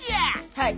はい。